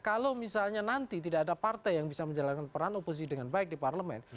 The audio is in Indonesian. kalau misalnya nanti tidak ada partai yang bisa menjalankan peran oposisi dengan baik di parlemen